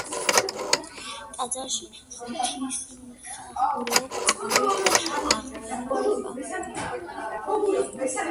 ტაძარში ღვთისმსახურება ყოველდღე აღევლინება.